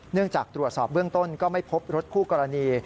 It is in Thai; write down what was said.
เนื่องจากตรวจสอบเบื้องต้นก็ไม่พบรถคู่กรณี